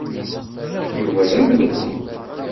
Yuba d amelhu.